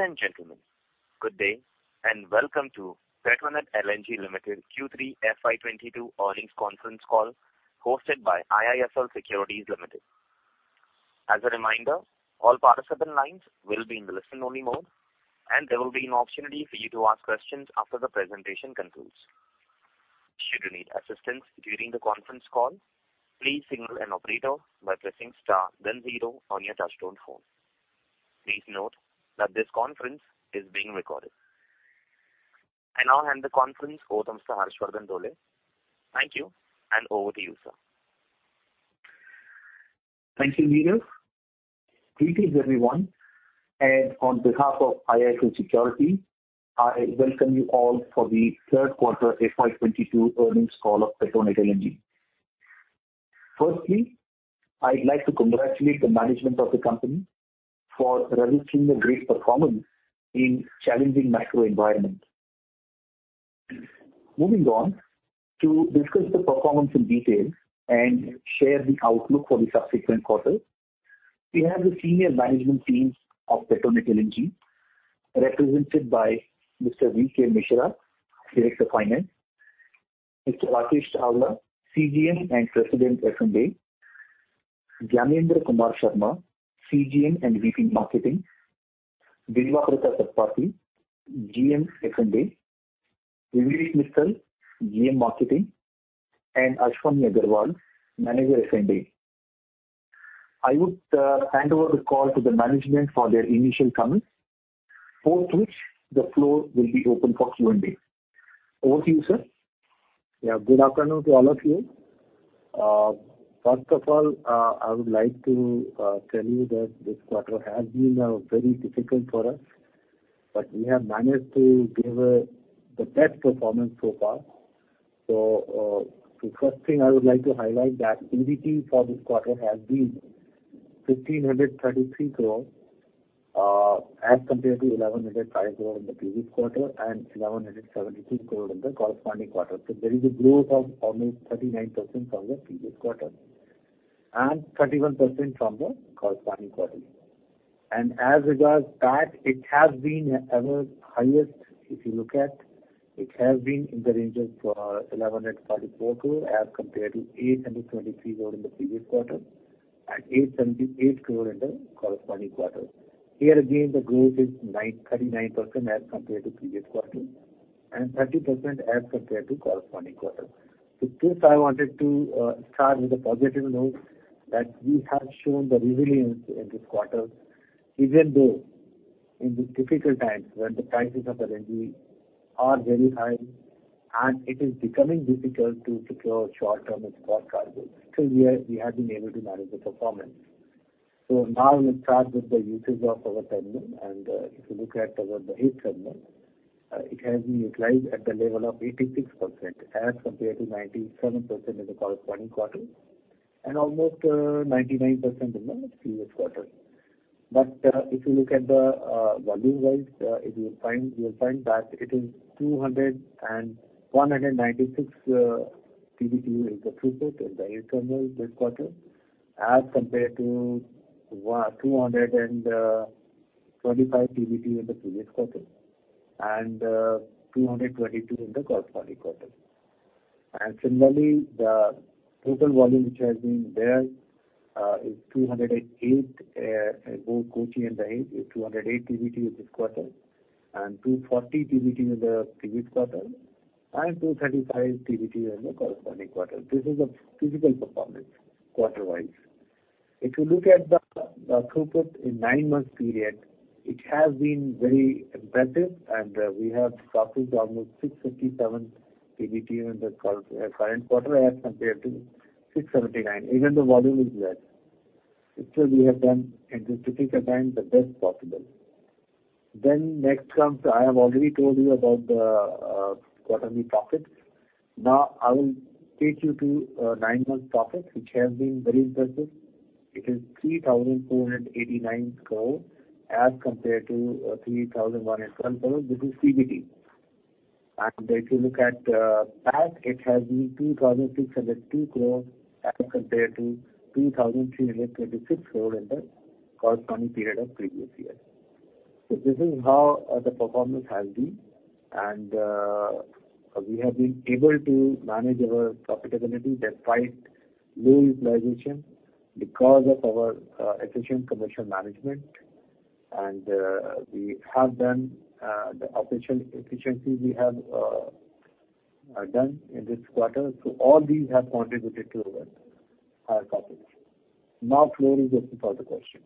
Ladies and gentlemen, good day, and welcome to Petronet LNG Limited Q3 FY22 earnings conference call, hosted by IIFL Securities Limited. As a reminder, all participant lines will be in the listen-only mode, and there will be an opportunity for you to ask questions after the presentation concludes. Should you need assistance during the conference call, please signal an operator by pressing star then zero on your touchtone phone. Please note that this conference is being recorded. I now hand the conference over to Mr. Harshvardhan Dole. Thank you, and over to you, sir. Thank you, Neil. Greetings, everyone, and on behalf of IIFL Securities, I welcome you all for the third quarter FY 2022 earnings call of Petronet LNG. Firstly, I'd like to congratulate the management of the company for releasing a great performance in challenging macro environment. Moving on, to discuss the performance in detail and share the outlook for the subsequent quarters, we have the senior management team of Petronet LNG, represented by Mr. V.K. Mishra, Director, Finance; Mr. Akash Chawla, CGM and President, F&A; Gyanendra Kumar Sharma, CGM and VP, Marketing; Debabrata Satpathy, GM, F&A; Vivek Mittal, GM, Marketing; and Ashwin Aggarwal, Manager, F&A. I would hand over the call to the management for their initial comments, after which the floor will be open for Q&A. Over to you, sir. Yeah, good afternoon to all of you. First of all, I would like to tell you that this quarter has been very difficult for us, but we have managed to give the best performance so far. So, the first thing I would like to highlight that EBITDA for this quarter has been 1,533 crore, as compared to 1,105 crore in the previous quarter and 1,173 crore in the corresponding quarter. So there is a growth of almost 39% from the previous quarter, and 31% from the corresponding quarter. As regards that, it has been our highest, if you look at, it has been in the range of 1,144 crore as compared to 823 crore in the previous quarter, and 878 crore in the corresponding quarter. Here, again, the growth is 39% as compared to previous quarter, and 30% as compared to corresponding quarter. So first I wanted to start with a positive note, that we have shown the resilience in this quarter, even though in these difficult times when the prices of the LNG are very high, and it is becoming difficult to secure short-term and spot cargoes. Still, we have been able to manage the performance. So now let's start with the usage of our terminal. If you look at our Dahej terminal, it has been utilized at the level of 86%, as compared to 97% in the corresponding quarter, and almost 99% in the previous quarter. But if you look at the volume-wise, you will find that it is 196 TTBTU in the throughput in the terminal this quarter, as compared to 225 TTBTU in the previous quarter, and 222 in the corresponding quarter. And similarly, the total volume which has been there is 208 TTBTU both Kochi and Dahej in this quarter, and 240 TTBTU in the previous quarter, and 235 TTBTU in the corresponding quarter. This is the physical performance, quarter-wise. If you look at the, the throughput in nine months period, it has been very impressive, and we have suffered almost 657 crore PBT in the quarter, current quarter as compared to 679 crore, even the volume is less. Still, we have done in this difficult time, the best possible. Then next comes, I have already told you about the quarterly profits. Now, I will take you to nine months profits, which have been very impressive. It is 3,489 crore as compared to 3,100 crore, this is CBT. And if you look at PAT, it has been 2,602 crore as compared to 2,326 crore in the corresponding period of previous year. So this is how the performance has been, and we have been able to manage our profitability despite low utilization because of our efficient commercial management. And we have done the operational efficiency we have done in this quarter. So all these have contributed to our our profits. Now floor is open for the question.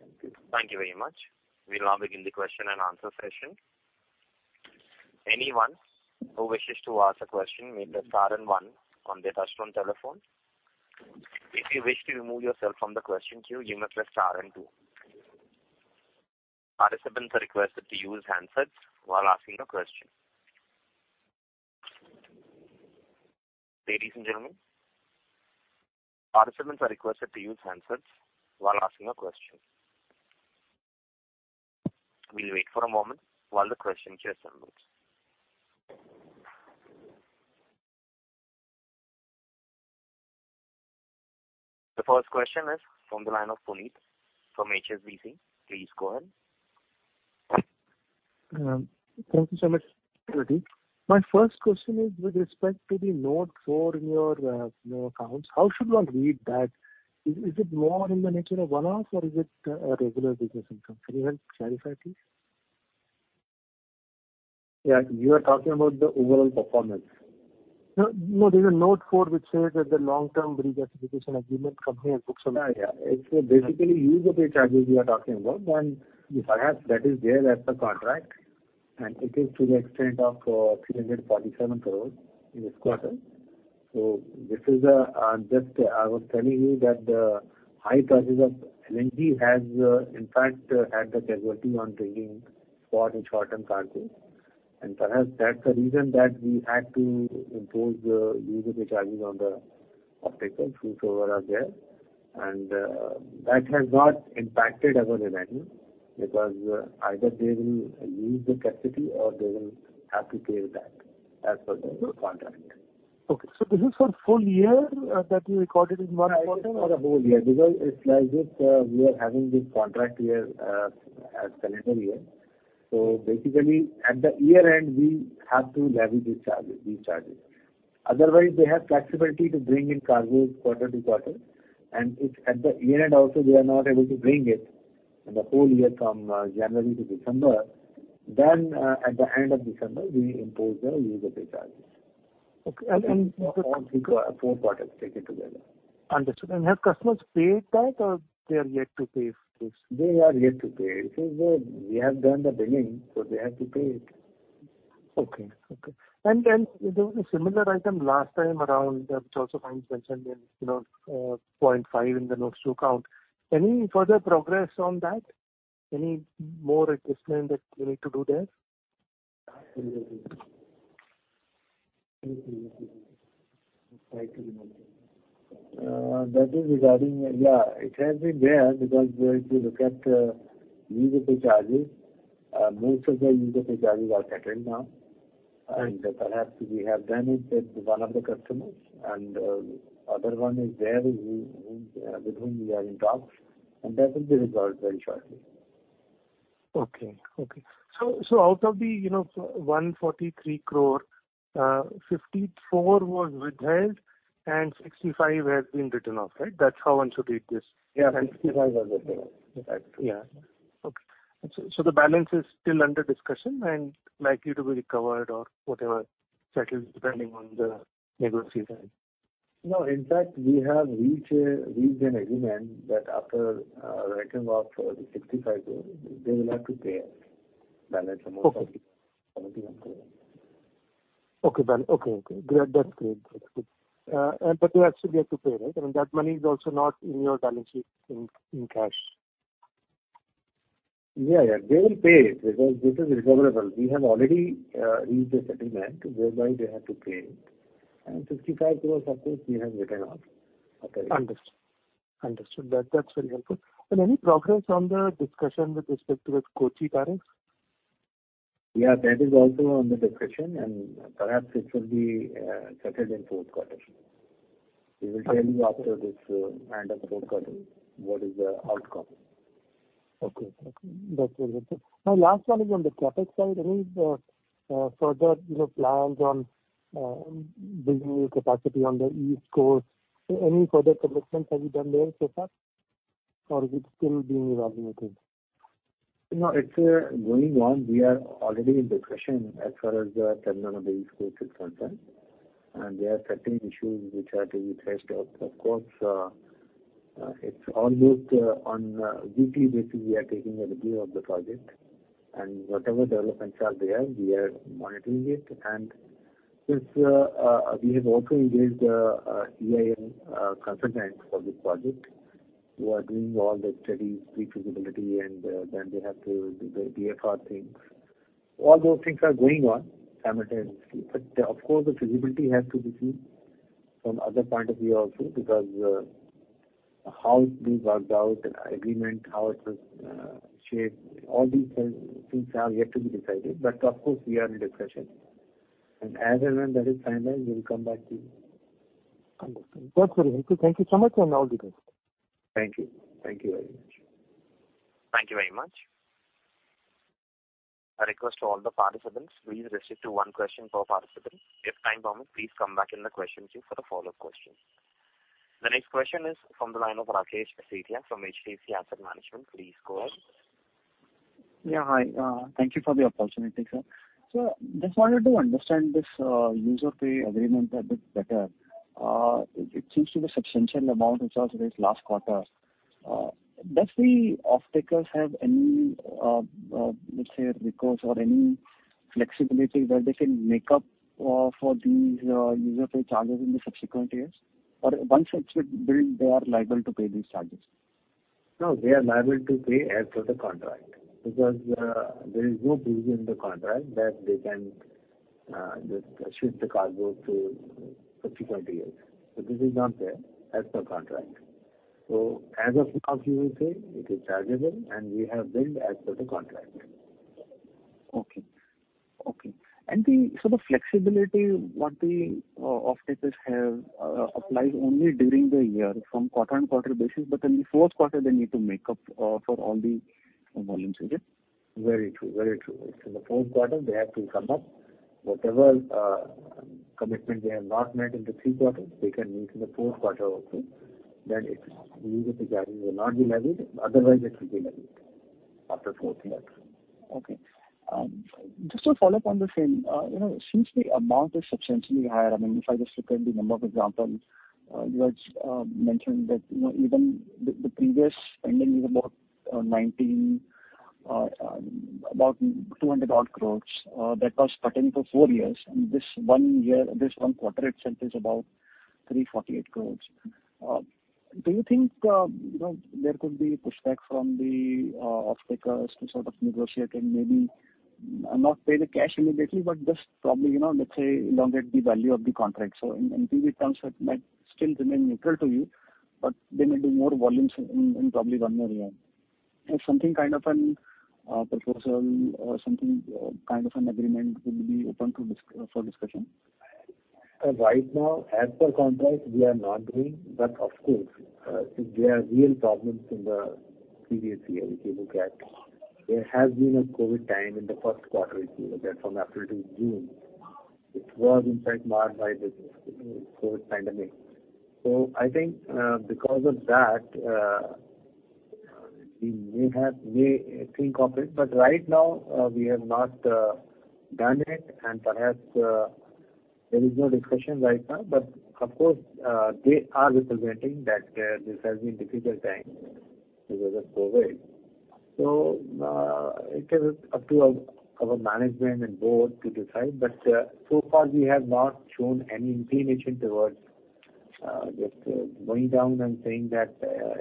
Thank you. Thank you very much. We'll now begin the question and answer session. Anyone who wishes to ask a question may press star and one on their touchtone telephone. If you wish to remove yourself from the question queue, you must press star and two. Participants are requested to use handsets while asking a question. Ladies and gentlemen, participants are requested to use handsets while asking a question. We'll wait for a moment while the question queues unfolds.... The first question is from the line of Puneet from HSBC. Please go ahead. Thank you so much, Pradeep. My first question is with respect to the Note 4 in your accounts. How should one read that? Is it more in the nature of one-off or is it a regular business income? Can you help clarify, please? Yeah. You are talking about the overall performance. No, no, there's a Note 4 which says that the long-term regasification agreement company has booked some- Yeah, yeah. It's basically use of the charges you are talking about, and perhaps that is there as per contract, and it is to the extent of 347 crore in this quarter. So this is just I was telling you that the high prices of LNG has in fact had the casualty on bringing spot and short-term cargo. And perhaps that's the reason that we had to impose the use of the charges on the off takers, whosoever are there. And that has not impacted our revenue, because either they will use the capacity or they will have to pay back as per the contract. Okay, so this is for full year, that you recorded in one quarter? For the whole year, because it's like this, we are having this contract year, as calendar year. So basically, at the year-end, we have to levy this charges, these charges. Otherwise, they have flexibility to bring in cargo quarter to quarter, and if at the year-end also they are not able to bring it, in the whole year from January to December, then, at the end of December, we impose the use-or-pay charges. Okay. And, All four quarters taken together. Understood. Have customers paid that or they are yet to pay this? They are yet to pay. So we have done the billing, so they have to pay it. Okay, okay. And there was a similar item last time around, which also mentioned in, you know, point 5 in the notes to account. Any further progress on that? Any more adjustment that you need to do there? That is regarding... Yeah, it has been there, because if you look at the user fee charges, most of the user fee charges are settled now. And perhaps we have done it with one of the customers, and other one is there, with whom we are in talks, and that will be resolved very shortly. Okay, okay. So, so out of the, you know, 143 crore, 54 was withheld and 65 has been written off, right? That's how one should read this. Yeah, and 65 was written off. In fact- Yeah. Okay. So, so the balance is still under discussion and likely to be recovered or whatever, settled, depending on the negotiations? No, in fact, we have reached an agreement that after the written off, the 65 crore, they will have to pay balance amount. Okay. 41 crore. Okay, okay. Great. That's great. But they're actually yet to pay, right? I mean, that money is also not in your balance sheet, in cash. Yeah, yeah. They will pay it, because this is recoverable. We have already reached a settlement whereby they have to pay it. 65 crore, of course, we have written off already. Understood. Understood. That, that's very helpful. And any progress on the discussion with respect to the Kochi tariffs? Yeah, that is also under discussion, and perhaps it will be settled in fourth quarter. We will tell you after this end of fourth quarter, what is the outcome. Okay, okay. That's very good. My last one is on the CapEx side. Any further, you know, plans on building new capacity on the East Coast? Any further commitments have you done there so far, or is it still being evaluated? No, it's going on. We are already in discussion as far as the terminal of the East Coast is concerned, and there are certain issues which are to be fleshed out. Of course, it's almost on weekly basis, we are taking a review of the project. Whatever developments are there, we are monitoring it. Since we have also engaged EIA consultant for this project, who are doing all the studies, pre-feasibility, and then they have to do the DFR things. All those things are going on simultaneously. Of course, the feasibility has to be seen from other point of view also, because how it is worked out, agreement, how it is shaped, all these things are yet to be decided. Of course, we are in discussion. As and when that is finalized, we will come back to you. Understood. That's very helpful. Thank you so much, and all the best. Thank you. Thank you very much. Thank you very much. I request to all the participants, please restrict to one question per participant. If time permits, please come back in the question queue for the follow-up question. The next question is from the line of Rakesh Sethia from HDFC Asset Management. Please go ahead. Yeah, hi. Thank you for the opportunity, sir. So just wanted to understand this user fee agreement a bit better. It seems to be a substantial amount which was raised last quarter. Does the off-takers have any, let's say, recourse or any flexibility where they can make up for these user fee charges in the subsequent years? Or once it's billed, they are liable to pay these charges. No, they are liable to pay as per the contract, because, there is no provision in the contract that they can, just shift the cargo to subsequent years. So this is not there as per contract. So as of now, we will say it is chargeable, and we have billed as per the contract. Okay. So the flexibility that the off-takers have applies only during the year from quarter to quarter basis, but in the fourth quarter, they need to make up for all the volumes, okay? Very true. Very true. In the fourth quarter, they have to come up. Whatever commitment they have not met in the three quarters, they can meet in the fourth quarter also. Then it's use of the charges will not be levied, otherwise, it will be levied after fourth quarter. Okay. Just to follow up on the same, you know, since the amount is substantially higher, I mean, if I just look at the number of examples, you had mentioned that, you know, even the, the previous spending is about two hundred odd crores, that was pertaining for four years. And this one year, this one quarter itself is about 348 crores. Do you think, you know, there could be pushback from the off-takers to sort of negotiate and maybe not pay the cash immediately, but just probably, you know, let's say, elongate the value of the contract? So in these terms, that might still remain neutral to you, but they may do more volumes in probably one more year. Is something kind of a proposal or something, kind of an agreement would be open to discussion? Right now, as per contract, we are not doing. But of course, if there are real problems in the previous year, if you look at, there has been a COVID time in the first quarter, if you look at from April to June. It was in fact marked by the, you know, COVID pandemic. So I think, because of that, we may have, may think of it. But right now, we have not done it, and perhaps there is no discussion right now. But of course, they are representing that this has been difficult time because of COVID. So, it is up to our, our management and board to decide. But, so far, we have not shown any inclination towards just going down and saying that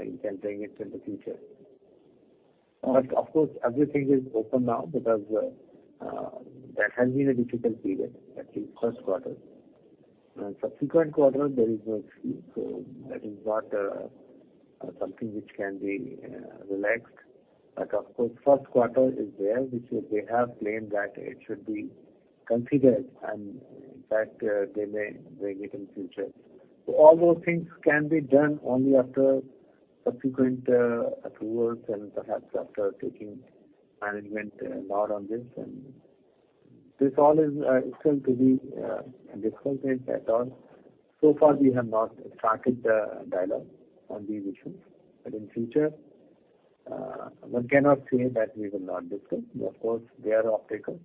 you can bring it in the future. But of course, everything is open now because that has been a difficult period, at least first quarter. And subsequent quarter, there is no fee. So that is not something which can be relaxed. But of course, first quarter is there, which they have claimed that it should be considered and in fact, they may bring it in future. So all those things can be done only after subsequent approvals and perhaps after taking management a lot on this. And this all is still to be discussed at all. So far, we have not started the dialogue on these issues. But in future, one cannot say that we will not discuss. Of course, they are off-takers.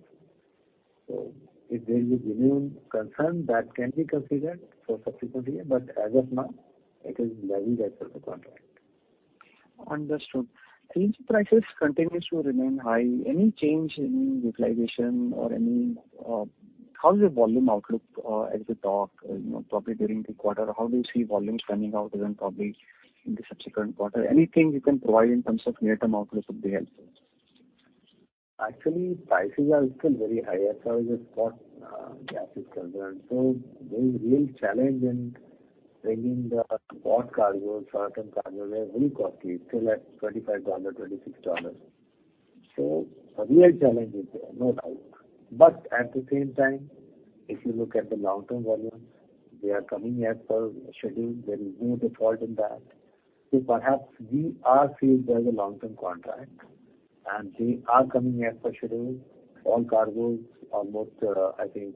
So if there is a genuine concern, that can be considered for subsequent year. But as of now, it is levied as per the contract. Understood. LNG prices continues to remain high. Any change in utilization or any. How is your volume outlook, as we talk, you know, probably during the quarter? How do you see volumes panning out and then probably in the subsequent quarter? Anything you can provide in terms of near-term outlook would be helpful. Actually, prices are still very high as far as the spot gas is concerned. So there is real challenge in bringing the spot cargo, short-term cargo. They are very costly, still at $25, $26. So a real challenge is there, no doubt. But at the same time, if you look at the long-term volumes, they are coming as per schedule. There is no default in that. So perhaps we are saved by the long-term contract, and they are coming as per schedule. All cargoes, almost, I think,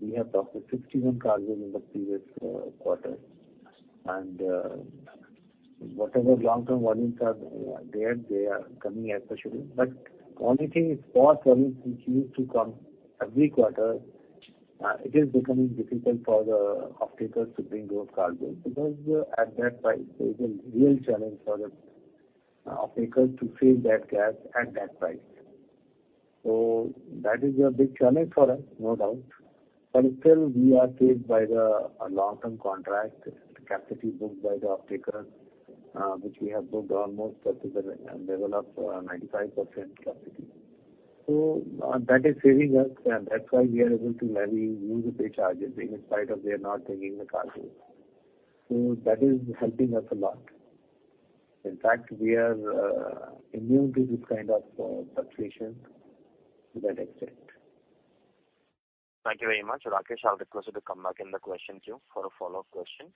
we have crossed the 61 cargoes in the previous quarter. And whatever long-term volumes are there, they are coming as per schedule. But only thing is, spot volumes, which used to come every quarter, it is becoming difficult for the off-takers to bring those cargoes, because at that price, there is a real challenge for the off-takers to save that gas at that price. So that is a big challenge for us, no doubt. But still, we are saved by the long-term contract, capacity booked by the off-takers, which we have booked almost at the level of 95% capacity. So, that is saving us, and that's why we are able to levy use-of-pay charges, in spite of they are not taking the cargo. So that is helping us a lot. In fact, we are immune to this kind of fluctuation to that extent. Thank you very much, Rakesh. I'll request you to come back in the question queue for a follow-up question.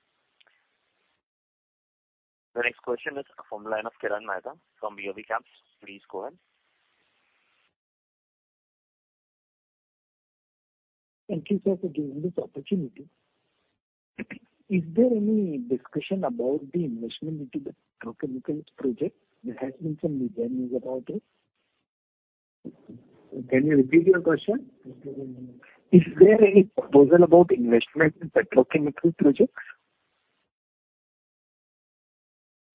The next question is from the line of Kirtan Mehta from BOB Caps. Please go ahead. Thank you, sir, for giving me this opportunity. Is there any discussion about the investment into the petrochemicals project? There has been some news about it. Can you repeat your question? Is there any proposal about investment in petrochemical projects?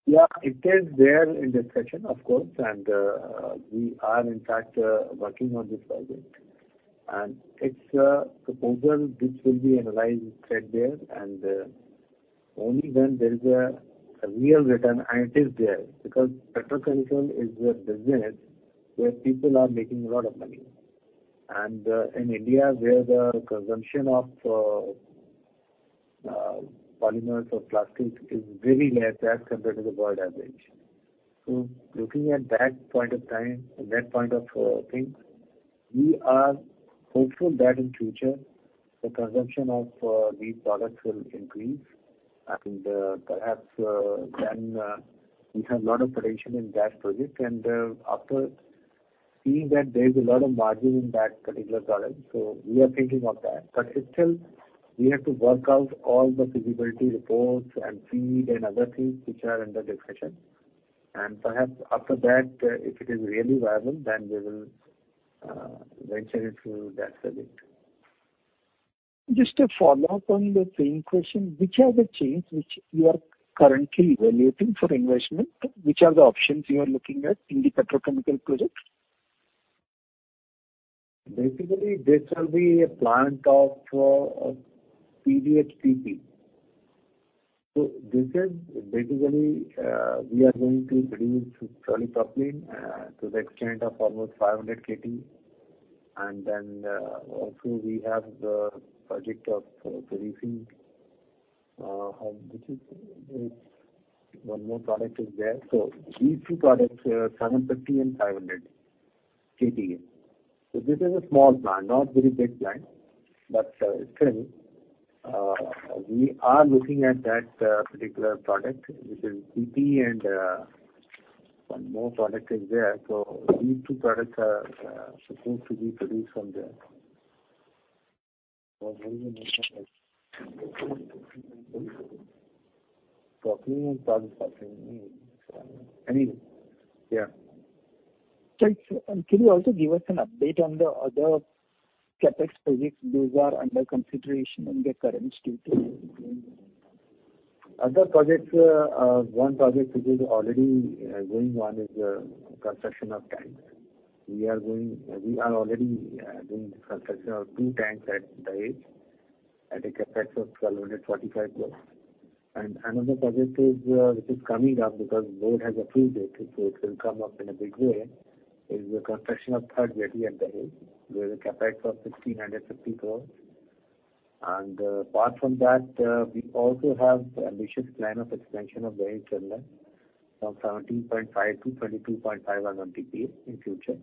Yeah, it is there in discussion, of course, and we are in fact working on this project. And it's a proposal which will be analyzed threadbare, and only when there is a real return, and it is there. Because petrochemical is a business where people are making a lot of money. And in India, where the consumption of polymers or plastics is very less as compared to the world average. So looking at that point of time, that point of thing, we are hopeful that in future, the consumption of these products will increase. And perhaps then we have a lot of potential in that project. And after seeing that there is a lot of margin in that particular product, so we are thinking of that. But it's still, we have to work out all the feasibility reports and FEED, and other things which are under discussion. And perhaps after that, if it is really viable, then we will venture into that project. Just a follow-up on the same question. Which are the chains which you are currently evaluating for investment? Which are the options you are looking at in the petrochemical project? Basically, this will be a plant of PDH-PP. So this is basically we are going to produce propylene to the extent of almost 500 KTPA. And then also we have the project of producing, which is... One more product is there. So these two products seven fifty and five hundred KTPA. So this is a small plant, not very big plant, but still we are looking at that particular product, which is PP and one more product is there. So these two products are supposed to be produced from there. Anyway, yeah. Thanks. And can you also give us an update on the other CapEx projects those are under consideration in the current strategy? Other projects, one project which is already going on is construction of tanks. We are already doing the construction of two tanks at Dahej, at a CapEx of 1,245 crore. And another project is, which is coming up because board has approved it, so it will come up in a big way, is the construction of third jetty at Dahej, with a CapEx of 1,650 crore. And, apart from that, we also have ambitious plan of expansion of Dahej terminal, from 17.5-22.5 MMTPA in future.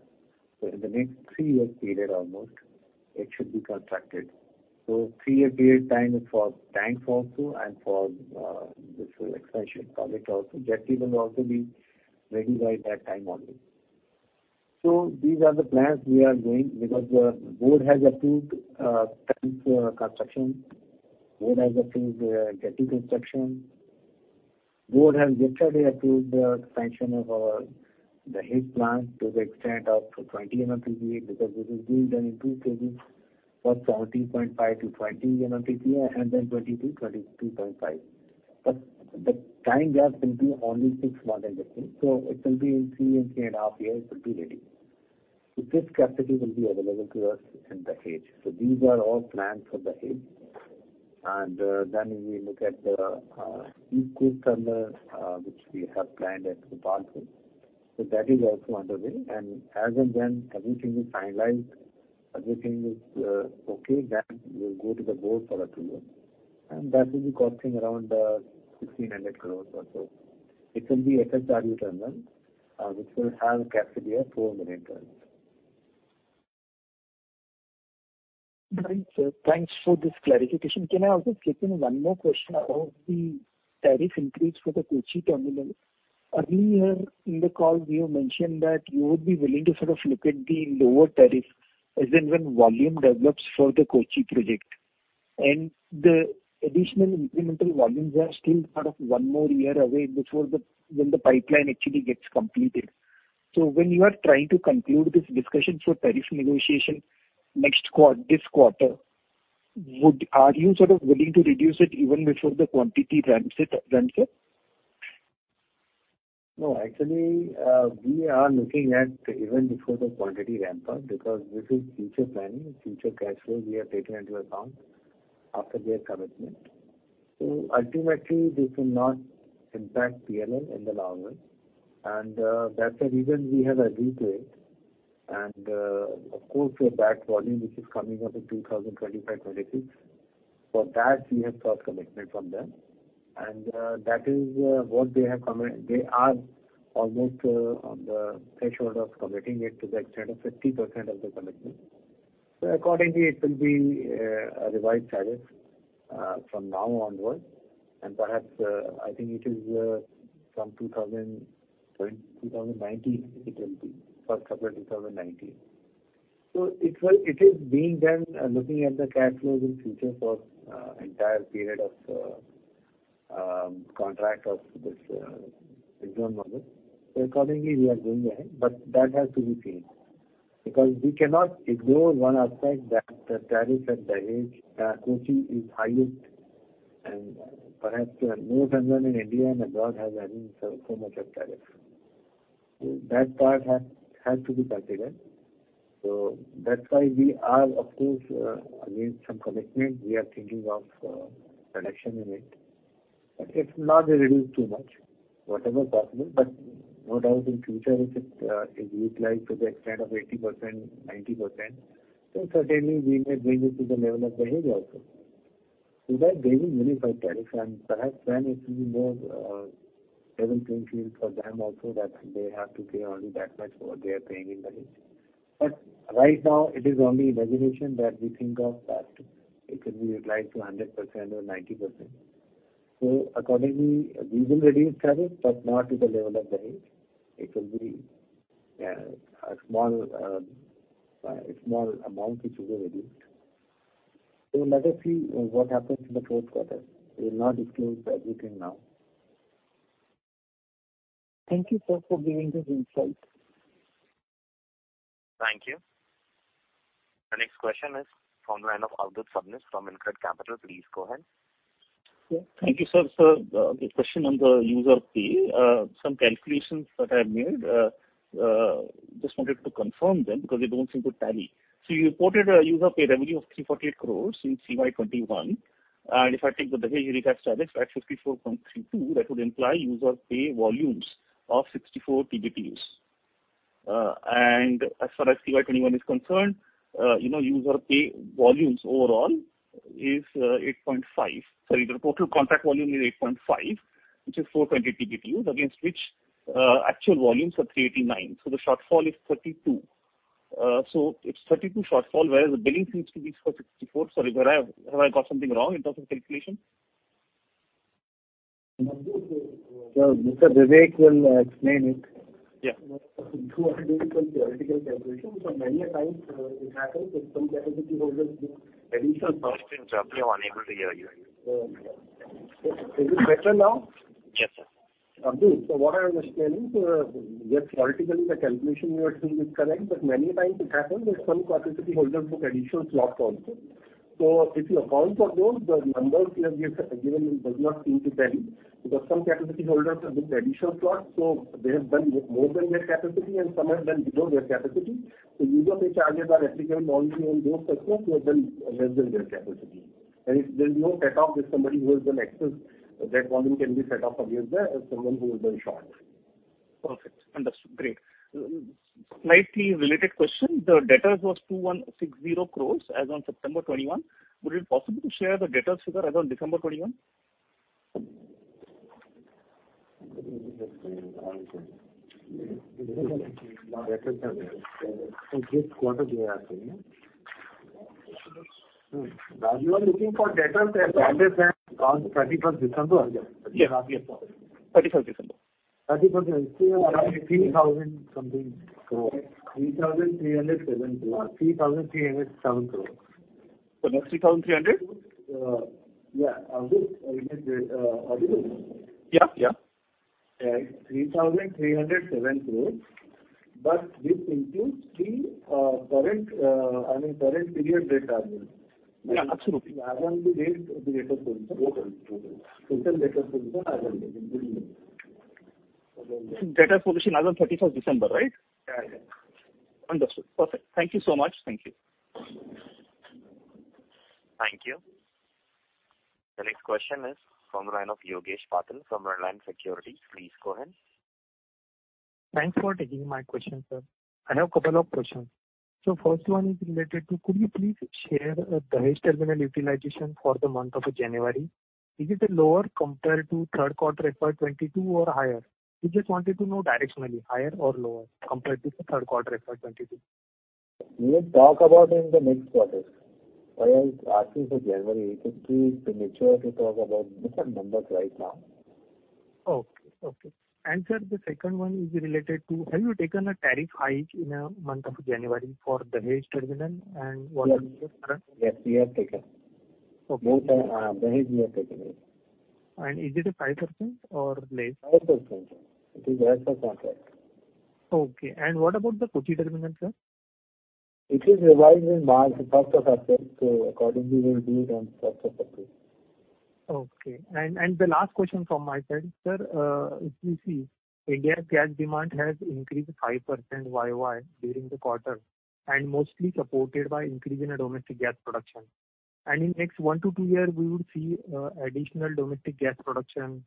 So in the next three years period almost, it should be constructed. So three-year period time is for tanks also and for this expansion project also. Jetty will also be ready by that time only. So these are the plans we are going, because the board has approved, tanks, construction. Board has approved, jetty construction. Board has yesterday approved the expansion of our Dahej plant to the extent of 20 MMTPA, because this is being done in two phases, from 17 to 20 MMTPA, and then 22, 22.5. But the time gap will be only 6 months, I think. So it will be in 3 and 3.5 years, it will be ready. So this capacity will be available to us in Dahej. So these are all plans for Dahej. And, then we look at the, east coast terminal, which we have planned at Gopalpur. So that is also underway. As and when everything is finalized, everything is okay, then we will go to the board for approval, and that will be costing around 1,600 crore or so. It will be FSRU terminal, which will have a capacity of 4 million tons. Thanks, sir. Thanks for this clarification. Can I also slip in one more question about the tariff increase for the Kochi terminal? Earlier in the call, you mentioned that you would be willing to sort of look at the lower tariff, as and when volume develops for the Kochi project. The additional incremental volumes are still sort of one more year away before the, when the pipeline actually gets completed. So when you are trying to conclude this discussion for tariff negotiation this quarter, are you sort of willing to reduce it even before the quantity ramps up? No, actually, we are looking at even before the quantity ramp up, because this is future planning, future cash flow we have taken into account after their commitment. So ultimately, this will not impact PNL in the long run, and that's the reason we have agreed to it. And, of course, for that volume, which is coming up in 2025, 2026, for that we have sought commitment from them. And that is what they have commit-- They are almost on the threshold of committing it to the extent of 50% of the commitment. So accordingly, it will be a revised tariff from now onwards. And perhaps, I think it is from 2020... 2019, it will be. First quarter 2019. So it will it is being done, looking at the cash flows in future for entire period of contract of this agreement model. So accordingly, we are going ahead, but that has to be seen. Because we cannot ignore one aspect, that the tariffs at Dahej, Kochi is highest, and perhaps no terminal in India and abroad has having so, so much of tariff. So that part has to be considered. So that's why we are, of course, against some commitment. We are thinking of reduction in it. But it's not reduced too much, whatever possible. But what else in future, if it is utilized to the extent of 80%, 90%, so certainly we may bring it to the level of Dahej also. So that they will unify tariff, and perhaps then it will be more, level playing field for them also, that they have to pay only that much what they are paying in Dahej. But right now it is only a resolution that we think of, that it could be utilized to 100% or 90%. So accordingly, we will reduce tariff, but not to the level of Dahej. It will be, a small, a small amount which will be reduced. So let us see, what happens in the fourth quarter. We will not disclose everything now. Thank you, sir, for giving this insight. Thank you. Our next question is from the line of Avadhoot Sabnis from InCred Capital. Please, go ahead. Yeah. Thank you, sir. So, the question on the user pay. Some calculations that I have made, just wanted to confirm them because they don't seem to tally. So you reported a user pay revenue of 348 crore in CY 2021, and if I take the Dahej regas tariff at 54.32, that would imply user pay volumes of 64 TTBTUs. And as far as CY 2021 is concerned, you know, user pay volumes overall is 8.5. Sorry, the total contract volume is 8.5, which is 420 TTBTUs, against which actual volumes are 389. So the shortfall is 32. So it's 32 shortfall, whereas the billing seems to be for 64. Sorry, have I, have I got something wrong in terms of calculation? Sir, Mr. Vivek will explain it. Yeah. You are doing some theoretical calculations, so many a times, it happens that some capacity holders book additional- Sir, sorry, I'm unable to hear you. Is it better now? Yes, sir. Abdul, so what I was telling, so yes, theoretically, the calculation you are doing is correct, but many a times it happens that some capacity holders book additional slot also. So if you account for those, the numbers that we have given does not seem to tally, because some capacity holders have booked additional slots, so they have done more than their capacity, and some have done below their capacity. So user pay charges are applicable only on those customers who have done less than their capacity. And if there's no set off, if somebody who has done excess, that volume can be set off against the someone who has done short. Perfect. Understood. Great. Slightly related question: The debtors was 2,160 crore as on September 2021. Would it be possible to share the debtors figure as on December 2021? You are looking for debtors as on thirty-first December? Yes, thirty-first December. 31st December, around 3,000 something crore. 3,307 crore. 3,307 crore. That's 3,300? Yeah. Abdul, Abdul? Yeah, yeah. 3,307 crore, but this includes the current, I mean, current period debt as well. Yeah, absolutely. As on the date, the debtors' position. Total debtors position as on date, including... Debtors position as on thirty-first December, right? Yeah, yeah. Understood. Perfect. Thank you so much. Thank you. Thank you. The next question is from the line of Yogesh Patil from Reliance Securities. Please go ahead. Thanks for taking my question, sir. I have a couple of questions. So first one is related to, could you please share the Dahej terminal utilization for the month of January? Is it lower compared to third quarter FY 22 or higher? We just wanted to know directionally, higher or lower compared to the third quarter FY 22. We'll talk about in the next quarter. Whereas asking for January, it is too premature to talk about different numbers right now. Okay. Okay. And sir, the second one is related to, have you taken a tariff hike in the month of January for Dahej terminal, and what is the current? Yes, we have taken. Okay. Dahej, we have taken it. Is it 5% or less? 5%. It is as per contract. Okay. What about the Kochi terminal, sir? It is revised in March, first of April, so accordingly we will do it on first of April. Okay. And the last question from my side, sir, if you see, India gas demand has increased 5% Y-o-Y during the quarter, and mostly supported by increase in the domestic gas production. And in next 1-2 year, we would see, additional domestic gas production,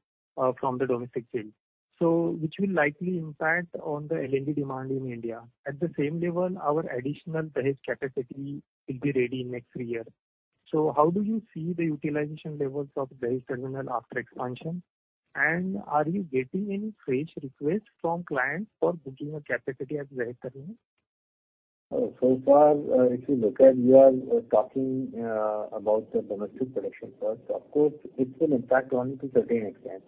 from the domestic field, so which will likely impact on the LNG demand in India. At the same level, our additional Dahej capacity will be ready in next 3 years. So how do you see the utilization levels of Dahej terminal after expansion? And are you getting any fresh requests from clients for booking a capacity at Dahej terminal? So far, if you look at, you are talking about the domestic production first. Of course, it will impact only to certain extent,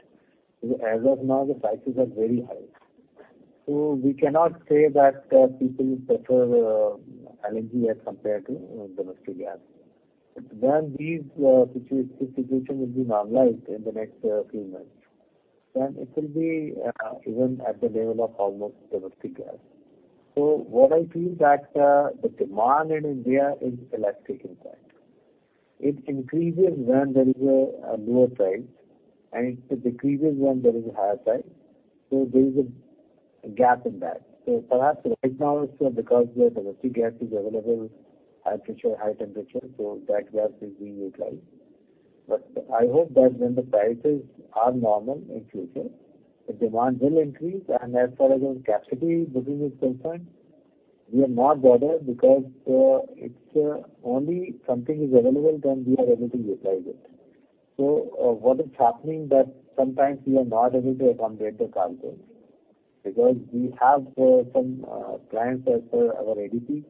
because as of now, the prices are very high. So we cannot say that, people will prefer, LNG as compared to domestic gas. But when these situation will be normalized in the next few months, then it will be even at the level of almost domestic gas. So what I feel that, the demand in India is elastic in fact. It increases when there is a lower price, and it decreases when there is a higher price. So there is a gap in that. So perhaps right now, because the regas is available, high pressure, high temperature, so that gas is being utilized. I hope that when the prices are normal in future, the demand will increase. As far as our capacity booking is concerned, we are not bothered because it's only something is available, then we are able to utilize it. What is happening that sometimes we are not able to accommodate the cargo, because we have some clients as per our ADP,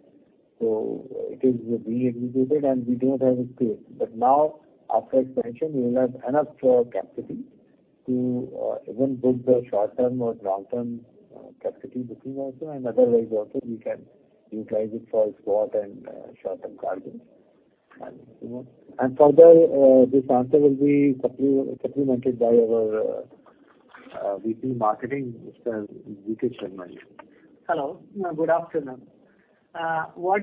so it is being executed, and we do not have a space. But now, after expansion, we will have enough for capacity to even book the short-term or long-term capacity booking also, and otherwise also, we can utilize it for spot and short-term cargos. You know, and further, this answer will be complemented by our VP Marketing, Mr. Vikesh Sharma. Hello, good afternoon. What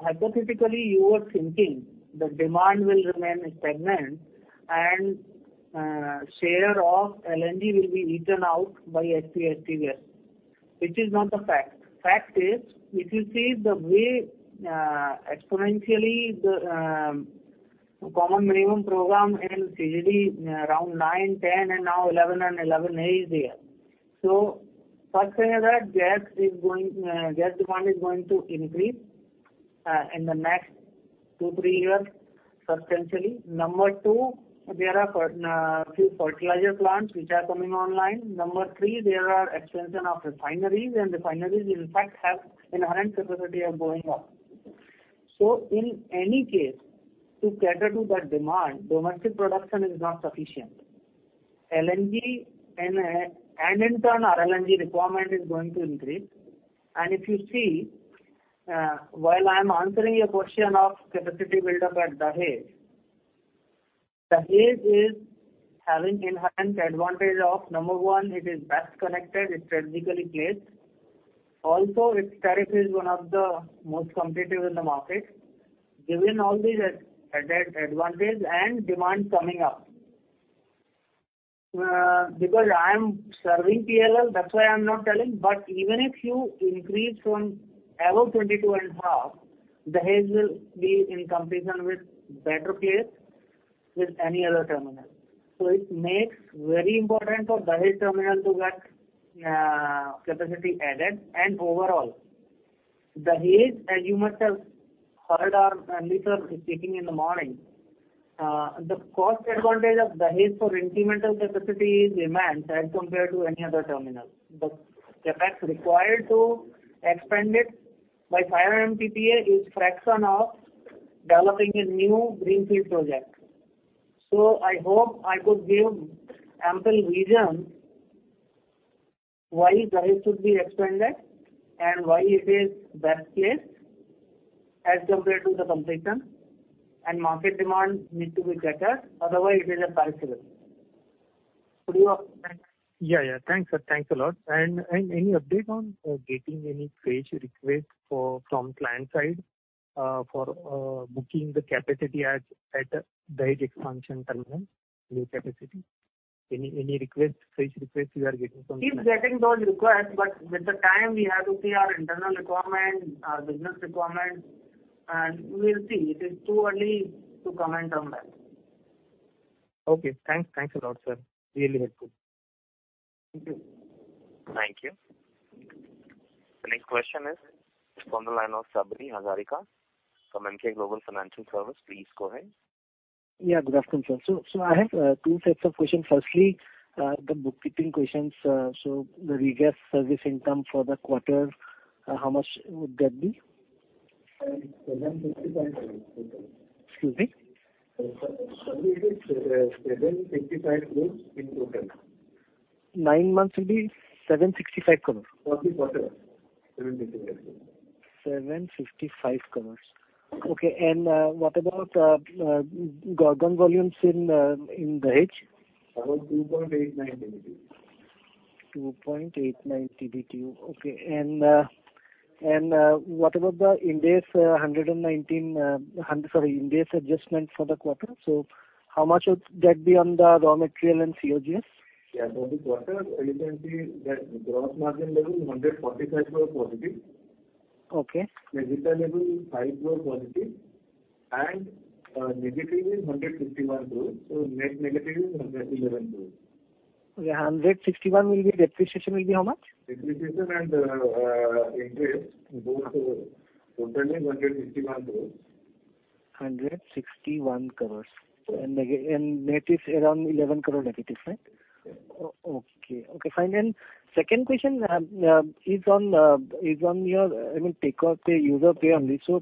hypothetically you are thinking, the demand will remain stagnant, and share of LNG will be eaten out by HP-HT gas, which is not the fact. Fact is, if you see the way exponentially, the common minimum program in CGD, around 9, 10, and now 11 and 11A is there. So first thing is that gas is going gas demand is going to increase in the next 2, 3 years, substantially. Number two, there are few fertilizer plants which are coming online. Number three, there are expansion of refineries, and refineries, in fact, have inherent capacity are going up. So in any case, to cater to that demand, domestic production is not sufficient. LNG and, and in turn, our LNG requirement is going to increase. If you see, while I'm answering a question of capacity buildup at Dahej. Dahej is having enhanced advantage of, number one, it is best connected, it's strategically placed. Also, its tariff is one of the most competitive in the market. Given all these advantage and demand coming up, because I am serving PLL, that's why I'm not telling. But even if you increase from above 22.5, Dahej will be in comparison with better place with any other terminal. So it makes very important for Dahej terminal to get, capacity added. And overall, Dahej, as you must have heard our minister speaking in the morning, the cost advantage of Dahej for incremental capacity is immense as compared to any other terminal. The CapEx required to expand it by 5 MTPA is fraction of developing a new greenfield project. I hope I could give ample reason why Dahej should be expanded and why it is best place as compared to the competition, and market demand need to be catered, otherwise it is a liability. Do you want to add? Yeah, yeah. Thanks, sir. Thanks a lot. And, and any update on getting any fresh request for—from client side, for booking the capacity at, at Dahej expansion terminal, new capacity? Any, any request, fresh request you are getting from client? Keep getting those requests, but with the time, we have to see our internal requirement, our business requirement, and we'll see. It is too early to comment on that. Okay, thanks. Thanks a lot, sir. Really helpful. Thank you. Thank you. The next question is from the line of Sabri Hazarika from Emkay Global Financial Services. Please go ahead. Yeah, good afternoon, sir. So I have two sets of questions. Firstly, the bookkeeping questions. So the regas service income for the quarter, how much would that be? INR 755 crore. Excuse me? Sir, it is 755 crore in total. Nine months will be INR 765 crore? For this quarter, INR 755 crore. 755 crore. Okay. And what about Gorgon volumes in Dahej? About 2.89 TBTU. 2.89 TBTU. Okay. And what about the index, 119, sorry, index adjustment for the quarter? So how much would that be on the raw material and COGS? Yeah, for the quarter, essentially, the gross margin level is 145 crore positive. Okay. Debt level is +5 crore, and negative is 161 crore. So net negative is 111 crore. Okay. 161 will be—depreciation will be how much? Depreciation and interest, both total 161 crore. 161 crore. So, and negative and net is around 11 crore negative, right? Yes. Okay. Okay, fine. And second question is on your, I mean, take-or-pay, use-or-pay only. So,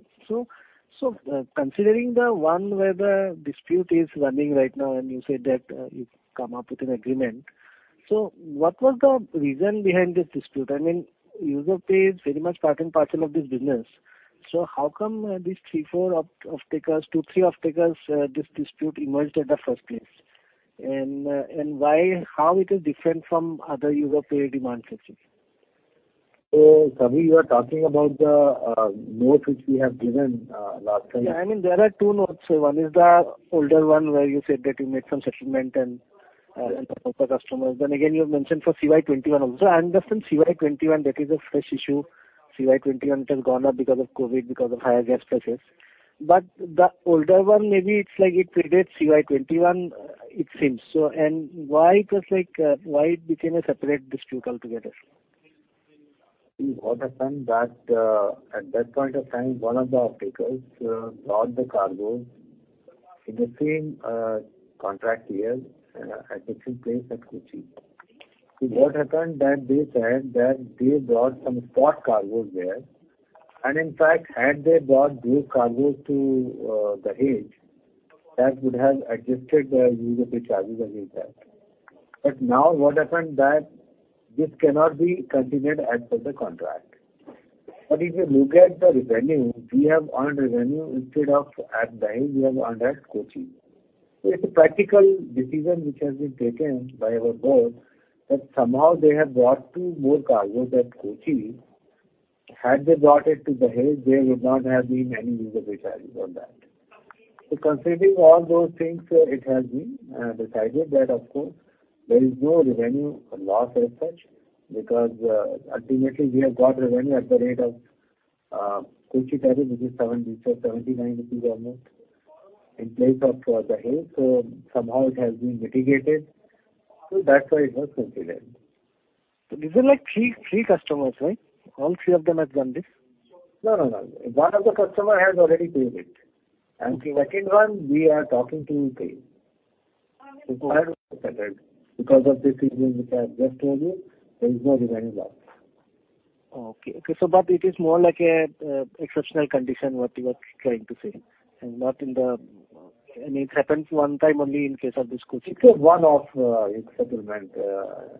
considering the one where the dispute is running right now, and you said that you've come up with an agreement. So what was the reason behind this dispute? I mean, use-or-pay is very much part and parcel of this business. So how come these three, four offtakers, two, three offtakers, this dispute emerged at the first place? And why-- how it is different from other use-or-pay demand sections?... So, Sabi, you are talking about the note which we have given last time. Yeah, I mean, there are two notes. One is the older one, where you said that you made some settlement and for customers. Then again, you have mentioned for CY21 also. I understand CY21, that is a fresh issue. CY21, it has gone up because of COVID, because of higher gas prices. But the older one, maybe it's like it predates CY21, it seems so. And why it was like, why it became a separate dispute altogether? What happened that, at that point of time, one of the off-takers bought the cargo in the same contract year at the same place at Kochi. So what happened that they said that they brought some spot cargo there, and in fact, had they brought those cargoes to Dahej, that would have adjusted the use-or-pay charges that we have. But now what happened that this cannot be considered as per the contract. But if you look at the revenue, we have earned revenue instead of at Dahej, we have earned at Kochi. So it's a practical decision which has been taken by our board, that somehow they have brought two more cargoes at Kochi. Had they brought it to Dahej, there would not have been any use-or-pay charges on that. So considering all those things, it has been decided that, of course, there is no revenue loss as such, because ultimately we have got revenue at the rate of Kochi tariff, which is INR 77.9 almost, in place of Dahej. So somehow it has been mitigated. So that's why it was considered. So these are like 3, 3 customers, right? All 3 of them have done this? No, no, no. One of the customer has already paid it, and the second one, we are talking to him too. So because of the decision which I have just told you, there is no revenue loss. Okay. Okay, so but it is more like a exceptional condition, what you are trying to say, and not in the—and it happens one time only in case of this Kochi. It's a one-off settlement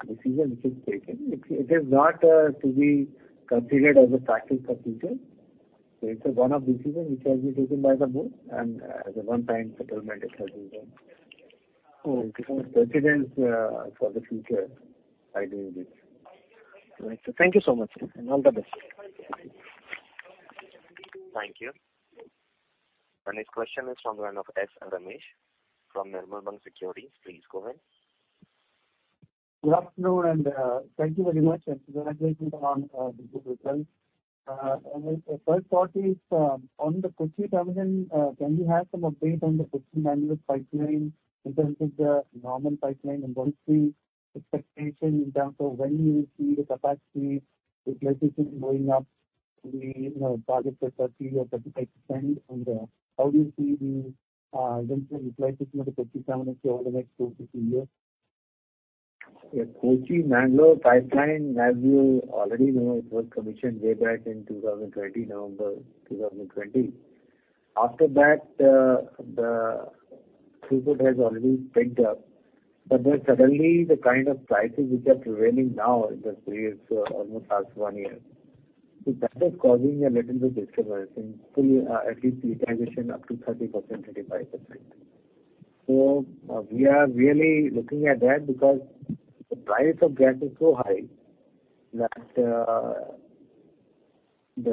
decision which is taken. It is not to be considered as a practice for future. So it's a one-off decision which has been taken by the board, and as a one-time settlement, it has been done. Oh. Precedent for the future by doing this. Thank you so much, sir, and all the best. Thank you. The next question is from one of S. Ramesh from Nirmal Bang Securities. Please go ahead. Good afternoon, and thank you very much, and congratulations on the good results. The first part is on the Kochi terminal. Can you have some update on the Kochi-Mangalore pipeline in terms of the normal pipeline and what's the expectation in terms of when you will see the capacity utilization going up? We, you know, target for 30% or 35%, and how do you see the eventual utilization of Kochi terminal over the next 2-3 years? Yeah, Kochi-Mangalore pipeline, as you already know, it was commissioned way back in 2020, November 2020. After that, the throughput has already picked up, but then suddenly the kind of prices which are prevailing now in the period, so almost last one year. So that is causing a little bit disturbance in full, at least utilization up to 30%, 35%. So we are really looking at that because the price of gas is so high that the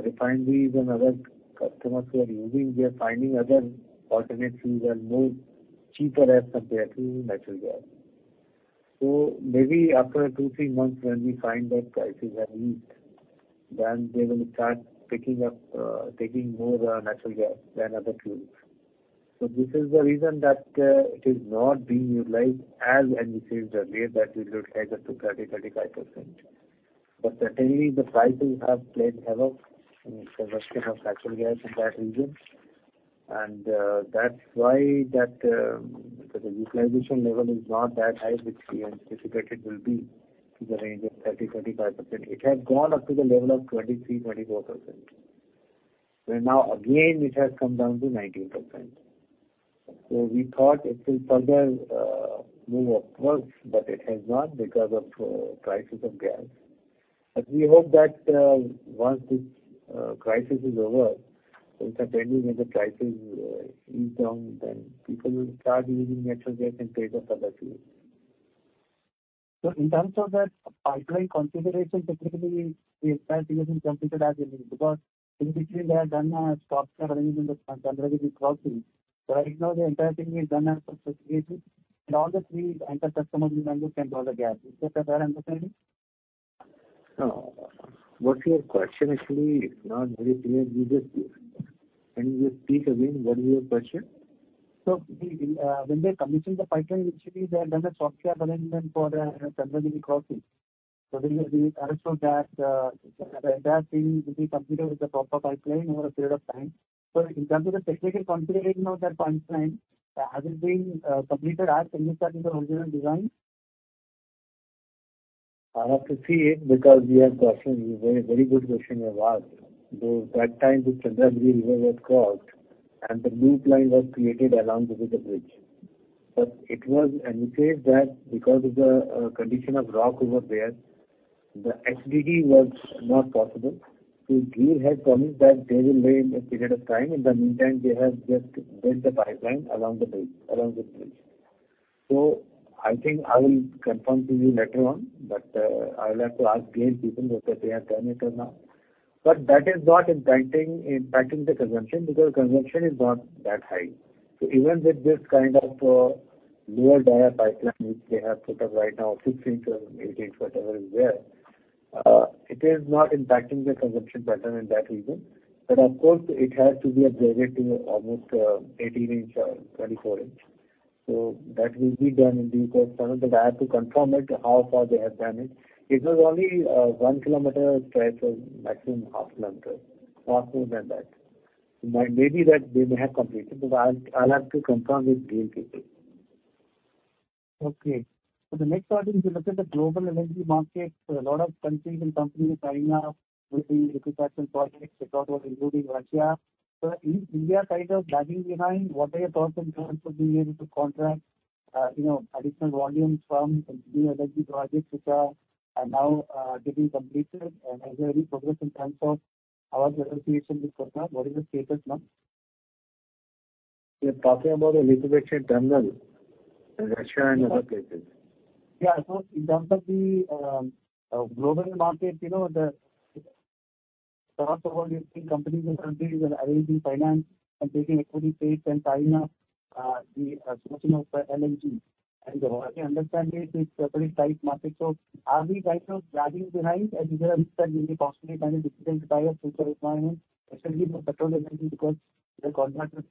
refineries and other customers who are using, they are finding other alternate fuels are more cheaper as compared to natural gas. So maybe after two, three months, when we find that prices are weak, then they will start picking up, taking more natural gas than other fuels. So this is the reason that it is not being utilized as indicated earlier, that it would rise up to 30%-35%. But certainly, the prices have played havoc in the consumption of natural gas in that region. And that's why that the utilization level is not that high, which we had anticipated will be in the range of 30%-35%. It has gone up to the level of 23%-24%, where now again it has come down to 19%. So we thought it will further move upwards, but it has not because of prices of gas. But we hope that once this crisis is over, certainly when the prices ease down, then people will start using natural gas instead of other fuels. So in terms of that pipeline configuration, technically, the entire thing hasn't completed as yet, because in between they have done a stock arrangement with Chandragiri crossing. So right now, the entire thing is done as per situation, and all the three anchor customers in Mangalore can draw the gas. Is that my understanding? No. What's your question? Actually, it's not very clear. Can you just speak again? What is your question? So when they commissioned the pipeline, actually, they have done a stock share arrangement for the Chandragiri crossing. So they understood that the entire thing will be completed with the proper pipeline over a period of time. So in terms of the technical configuration of that pipeline, has it been completed as per the original design? I have to see it because you have a question—a very, very good question you have asked. So at that time, the Chandragiri River was crossed, and the loop line was created along with the bridge. But it was indicated that because of the condition of rock over there, the HDD was not possible. So GAIL had promised that they will lay in a period of time. In the meantime, they have just built the pipeline along the bridge. So I think I will confirm to you later on, but I will have to ask GAIL people whether they have done it or not. But that is not impacting the consumption, because consumption is not that high. So even with this kind of, lower dia pipeline, which they have put up right now, 6-inch or 8-inch, whatever is there, it is not impacting the consumption pattern in that region. But of course, it has to be upgraded to almost, 18-inch or 24-inch. So that will be done in due course. But I have to confirm it, how far they have done it. It was only, 1 kilometer stretch or maximum half kilometer, not more than that. Maybe that they may have completed, but I'll, I'll have to confirm with GAIL people. Okay. So the next part, if you look at the global energy market, a lot of countries and companies in China with the liquefaction projects, including Russia. So is India kind of lagging behind? What are your thoughts in terms of being able to contract, you know, additional volumes from the new LNG projects which are now getting completed? And has there any progress in terms of our negotiation with Qatar? What is the status now? You're talking about the liquefaction terminal in Russia and other places? Yeah. So in terms of the global market, you know, the thoughts about different companies and countries and arranging finance and taking equity stake and tying up the sourcing of LNG. And my understanding is it's a very tight market. So are we kind of lagging behind? And is there a risk that we may possibly kind of miss the entire future requirement, especially for Petronet, because the contract with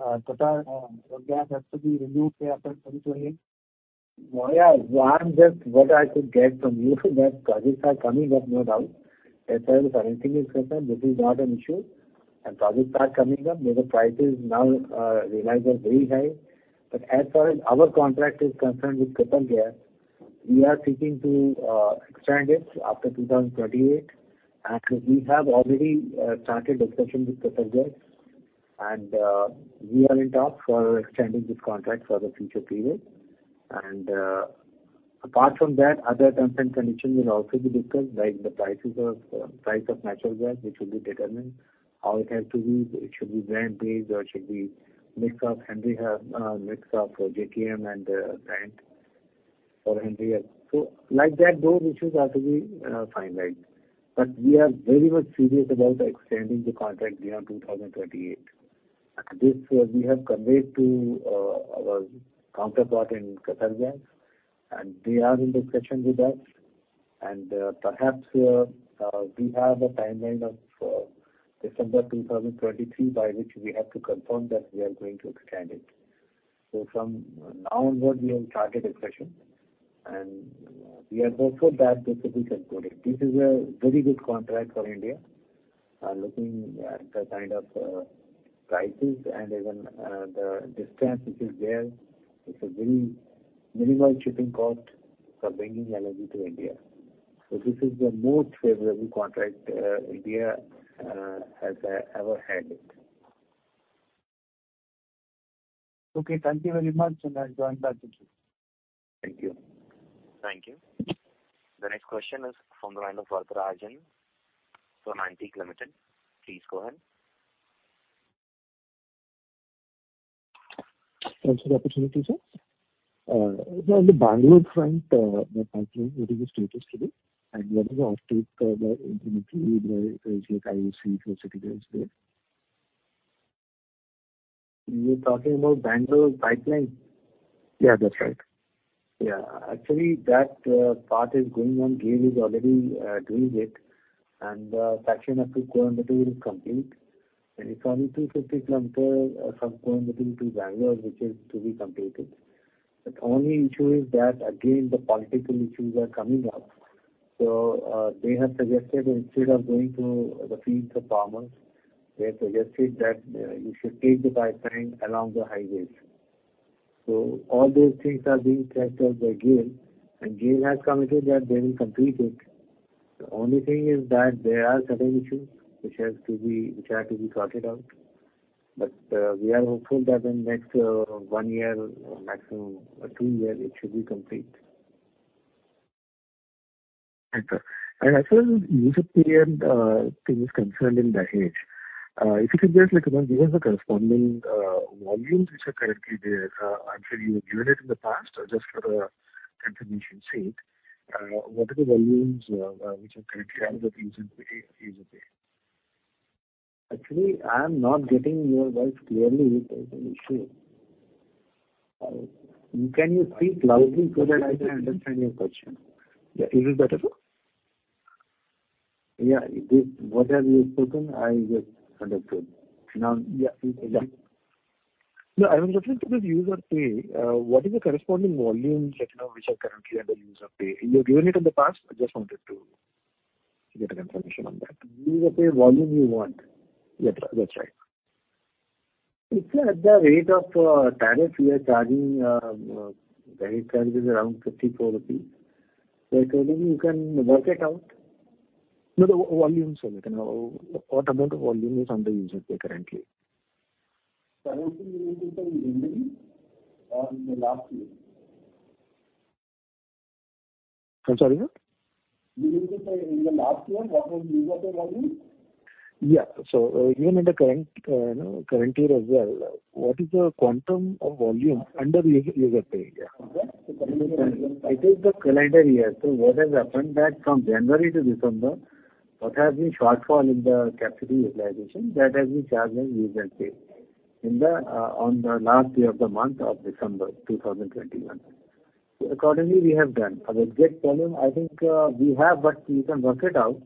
Qatargas has to be renewed after 22 years? Well, yeah, what I could get from you is that projects are coming up, no doubt. As far as anything is concerned, this is not an issue, and projects are coming up. Maybe the prices now realized are very high. But as far as our contract is concerned with QatarGas, we are seeking to extend it after 2038. And we have already started discussion with QatarGas, and we are in talk for extending this contract for the future period. And apart from that, other terms and conditions will also be discussed, like the prices of price of natural gas, which will be determined, how it has to be. It should be brand-based, or it should be mix of Henry Hub, mix of JKM and brand for Henry Hub. So like that, those issues are to be finalized. But we are very much serious about extending the contract beyond 2038. And this, we have conveyed to our counterpart in Qatargas, and they are in discussion with us. And perhaps we have a timeline of December 2023, by which we have to confirm that we are going to extend it. So from now onward, we have started a session, and we are hopeful that this will be supported. This is a very good contract for India. Looking at the kind of prices and even the distance which is there, it's a very minimal shipping cost for bringing LNG to India. So this is the most favorable contract India has ever had it. Okay, thank you very much, and I'll join back with you. Thank you. Thank you. The next question is from the line of Varatharajan from Antique Limited. Please go ahead. Thanks for the opportunity, sir. In the Bangalore front, the pipeline, what is the status today? And what is the update, the there? You're talking about Bangalore pipeline? Yeah, that's right. Yeah. Actually, that part is going on. GAIL is already doing it, and section up to Coimbatore is complete. And it's only 250 km from Coimbatore to Bangalore, which is to be completed. The only issue is that, again, the political issues are coming up. So, they have suggested, instead of going through the fields of farmers, they have suggested that, you should take the pipeline along the highways. So all those things are being tested by GAIL, and GAIL has committed that they will complete it. The only thing is that there are certain issues which has to be-- which have to be sorted out. But, we are hopeful that in next one year, maximum two years, it should be complete. Okay. And as far as user pay thing is concerned in the page, if you could just, like, give us the corresponding volumes which are currently there. Actually, you have given it in the past, just for the confirmation sake, what are the volumes which are currently under the user pay, user pay? Actually, I am not getting your voice clearly. There is an issue. Can you speak loudly so that I can understand your question? Yeah. Is it better, sir? Yeah, it is. What you have spoken, I get understood. Now, yeah. Yeah. No, I was referring to the user pay. What is the corresponding volumes, like, you know, which are currently under user pay? You have given it in the past. I just wanted to get a confirmation on that. User pay volume you want? Yeah, that's right. It's at the rate of, tariff. We are charging, the rate charge is around 54 rupees. So accordingly, you can work it out. No, the volumes, so we can know what amount of volume is under user pay currently. Currently, it is under review on the last year.... I'm sorry, sir? In the last year, what was user pay volume? Yeah. So even in the current, you know, current year as well, what is the quantum of volume under user, user pay? Okay. I think the calendar year. So what has happened that from January to December, what has been shortfall in the capacity utilization, that has been charged as user pay. In the, on the last day of the month of December 2021. So accordingly, we have done. As exact volume, I think, we have, but you can work it out.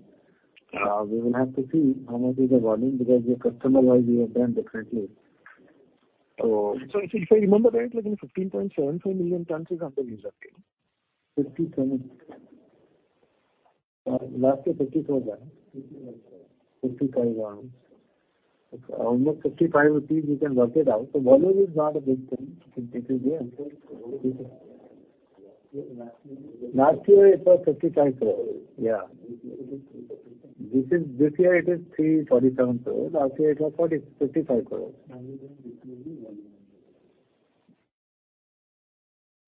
Yeah. We will have to see how much is the volume, because customer-wise, we have done differently. So- So if I remember right, like in 15.75 million tons is after user pay. 57. Last year, 54,000. 55,000. Almost 55 or 3, we can work it out. So volume is not a big thing, it is there. Last year it was 55 crore. Yeah. This is, this year it is 347 crore. Last year it was 45-55 crore.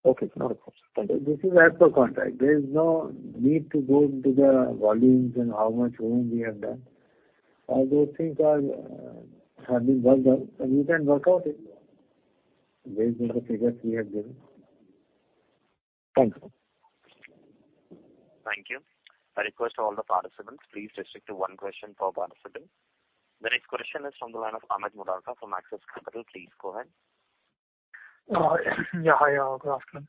Okay, no problem. Thank you. This is as per contract. There is no need to go into the volumes and how much volume we have done. All those things are, have been worked out, and you can work out it based on the figures we have given. Thank you. Thank you. I request all the participants, please restrict to one question per participant. The next question is from the line of Amit Murarka from Axis Capital. Please go ahead. Yeah, hi, good afternoon.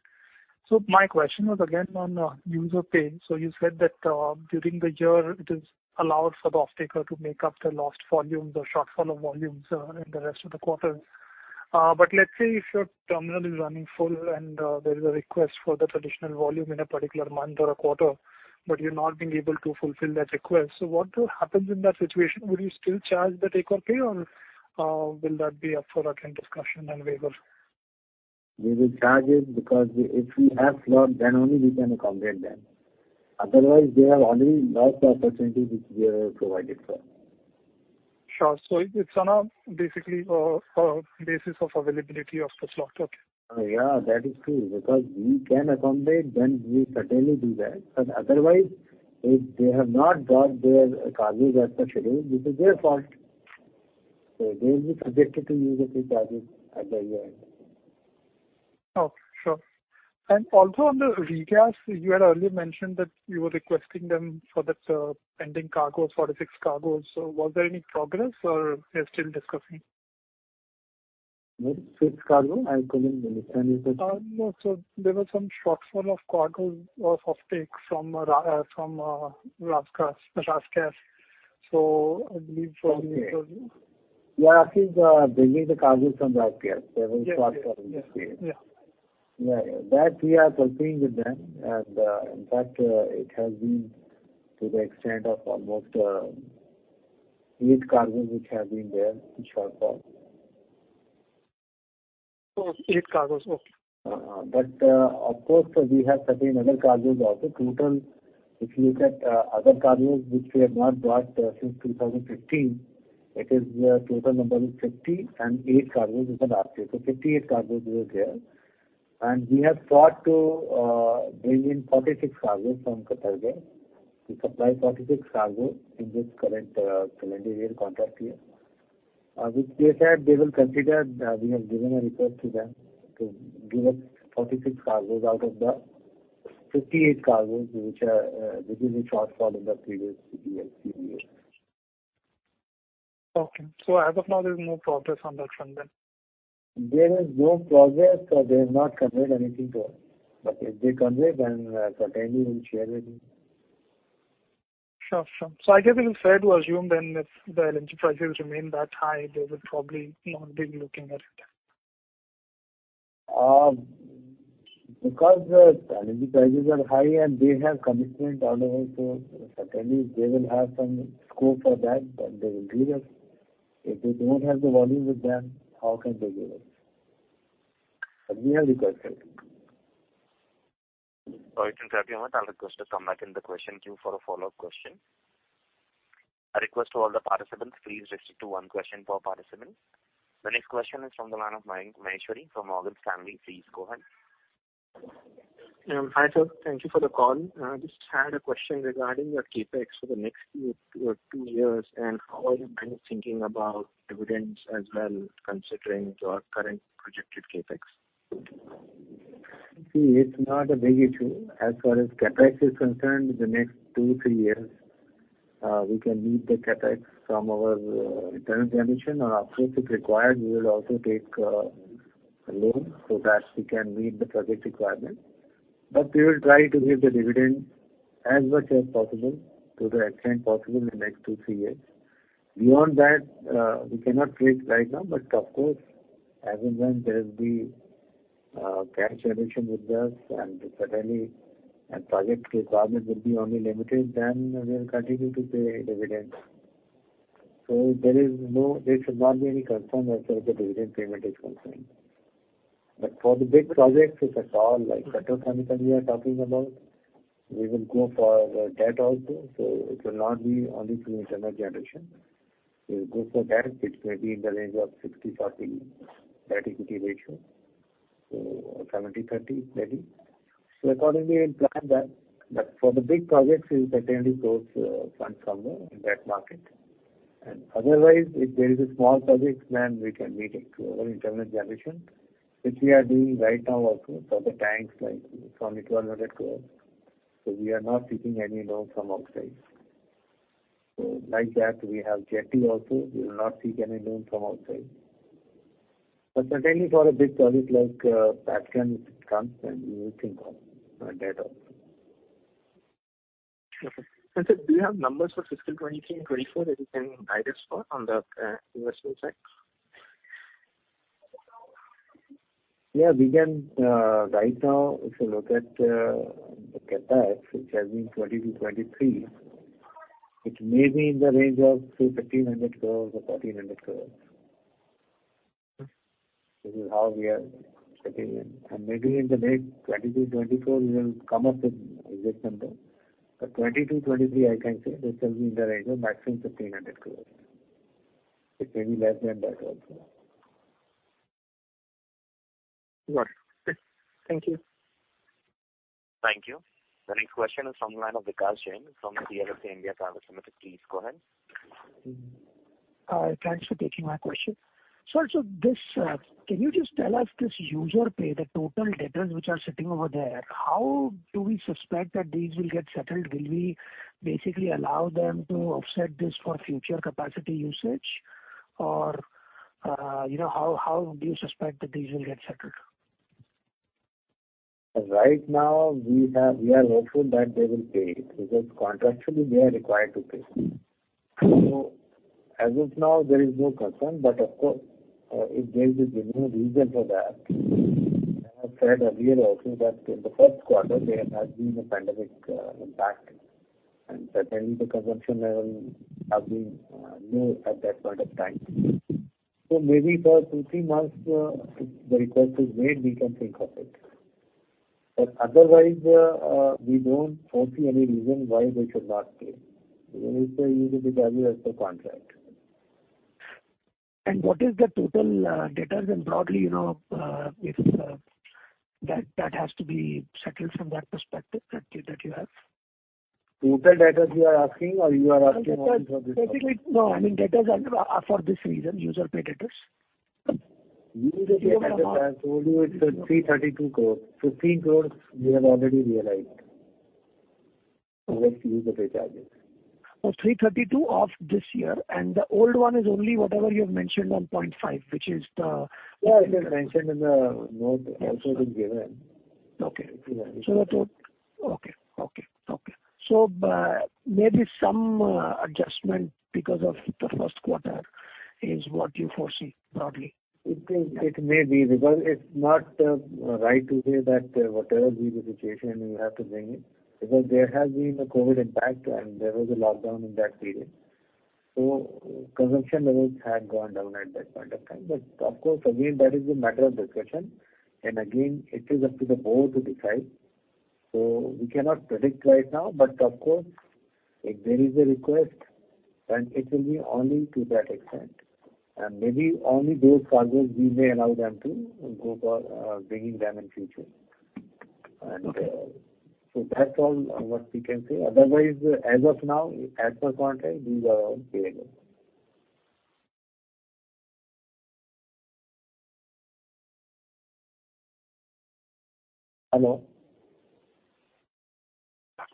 So my question was again on user pay. So you said that during the year, it is allowed for the off-taker to make up the lost volumes or shortfall of volumes in the rest of the quarters. But let's say if your terminal is running full and there is a request for the traditional volume in a particular month or a quarter, but you're not being able to fulfill that request, so what happens in that situation? Would you still charge the take or pay, or will that be up for, again, discussion and waiver? We will charge it, because if we have slot, then only we can accommodate them. Otherwise, they have already lost the opportunity which we have provided for. Sure. So it's on a basically basis of availability of the slot? Okay. Yeah, that is true, because we can accommodate, then we certainly do that. But otherwise, if they have not brought their cargoes as per schedule, this is their fault. So they will be subjected to user pay charges at the year end. Oh, sure. And also on the regas, you had earlier mentioned that you were requesting them for that, pending cargo, 46 cargoes. So was there any progress, or they're still discussing? 46 cargo? I couldn't understand you said. No, so there was some shortfall of cargo or offtake from RasGas, RasGas. So I believe from- Okay. Yeah, I think, bringing the cargo from RasGas. Yes, yes. There was a shortfall in RasGas. Yeah. Yeah. That we are talking with them, and, in fact, it has been to the extent of almost 8 cargoes which have been there, in shortfall. So 8 cargoes, okay. But, of course, we have certain other cargoes also. Total, if you look at, other cargoes, which we have not brought, since 2015, it is, total number is 58 cargoes with RasGas. So 58 cargoes were there. And we have sought to, bring in 46 cargoes from Qatargas. To supply 46 cargoes in this current, calendar year contract year. Which case that they will consider, we have given a request to them to give us 46 cargoes out of the 58 cargoes, which are, which is the shortfall in the previous year, previous year. Okay. As of now, there's no progress on that front then? There is no progress, so they have not conveyed anything to us. But if they convey, then certainly we'll share with you. Sure, sure. So I guess it is fair to assume then, if the LNG prices remain that high, they will probably not be looking at it. Because the LNG prices are high and they have commitment available, so certainly they will have some scope for that, then they will give us. If they don't have the volume with them, how can they give us? But we have requested. All right, thank you very much. I'll request to come back in the question queue for a follow-up question. I request to all the participants, please restrict to one question per participant. The next question is from the line of Mayank Maheshwari from Morgan Stanley. Please go ahead. Hi, sir. Thank you for the call. Just had a question regarding your CapEx for the next two, two years, and how you have been thinking about dividends as well, considering your current projected CapEx? See, it's not a big issue. As far as CapEx is concerned, the next 2-3 years, we can meet the CapEx from our, internal generation. Or of course, if required, we will also take, a loan so that we can meet the project requirement. But we will try to give the dividend as much as possible, to the extent possible in the next 2-3 years. Beyond that, we cannot say it right now, but of course, as and when there is the, cash generation with us and certainly, and project requirement will be only limited, then we will continue to pay dividend. So there is no-- There should not be any concern as far as the dividend payment is concerned. But for the big projects, if at all, like petrochemical we are talking about, we will go for, debt also. It will not be only from internal generation. So good for bank, it may be in the range of 60/40, 30/50 ratio. So 70/30, maybe. So accordingly, we plan that, that for the big projects, we will certainly source funds from the debt market. And otherwise, if there is a small project, then we can meet it through our internal generation, which we are doing right now also for the banks, like from the 1,200 crore. So we are not taking any loan from outside. So like that, we have jetty also, we will not seek any loan from outside. But certainly for a big project like Petchem comes, then we will think of that also. Okay. Sir, do you have numbers for fiscal 2023 and 2024 that you can guide us for on the, investment side? Yeah, we can, right now, if you look at, look at that, which has been 2020-2023, it may be in the range of say, 1,300 crore or 1,400 crore. This is how we are sitting in. Maybe in the late 2023-2024, we will come up with the exact number. But 2020-2023, I can say this will be in the range of maximum 1,500 crore. It may be less than that also. Got it. Thank you. Thank you. The next question is from the line of Vikas Jain from CLSA India Private Limited. Please go ahead. Thanks for taking my question. Sir, so this, can you just tell us this user pay, the total debtors which are sitting over there, how do we suspect that these will get settled? Will we basically allow them to offset this for future capacity usage? Or, you know, how, how do you suspect that these will get settled? Right now, we are hopeful that they will pay, because contractually, they are required to pay. So as of now, there is no concern, but of course, if there is a genuine reason for that, I have said earlier also that in the first quarter, there has been a pandemic impact, and certainly the consumption levels have been low at that point of time. So maybe for 2-3 months, if the request is made, we can think of it. But otherwise, we don't foresee any reason why they should not pay. It will be valued as per contract. What is the total debtors and broadly, you know, if that, that has to be settled from that perspective that you, that you have? Total debtors you are asking, or you are asking for this- Basically, no. I mean, debtors are for this reason, user pay debtors. Use-or-pay debtors, I told you it's INR 332 crore. 15 crore, we have already realized from the use-or-pay charges. 0.332 of this year, and the old one is only whatever you have mentioned on 0.5, which is the- Yeah, it is mentioned in the note, also been given. Okay. Yeah. So that would... Okay, okay, okay. So, maybe some adjustment because of the first quarter is what you foresee, broadly? It is, it may be, because it's not right to say that whatever be the situation, you have to bring it. Because there has been a COVID impact, and there was a lockdown in that period. So consumption levels had gone down at that point of time. But of course, again, that is a matter of discussion. And again, it is up to the board to decide. So we cannot predict right now, but of course, if there is a request, then it will be only to that extent. And maybe only those projects we may allow them to go for, bringing them in future. And, so that's all what we can say. Otherwise, as of now, as per contract, these are all available. Hello?